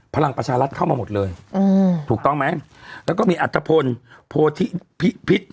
พลังประชารัฐเข้ามาหมดเลยอืมถูกต้องไหมแล้วก็มีอัตภพลโพธิพิพิษ